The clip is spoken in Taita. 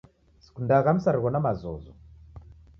Sikundagha msarigho na mazozo